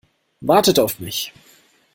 Wartet auf mich!